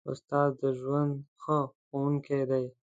استاد د ژوند ښه ښوونکی دی.